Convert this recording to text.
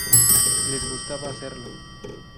Les gustaba hacerlo.